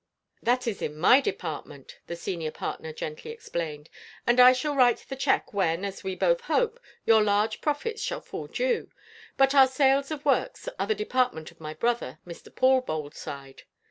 "That is in my department," the senior partner gently explained. "And I shall write the cheque when, as we both hope, your large profits shall fall due. But our sales of works are in the department of my brother, Mr. Paul Boldside."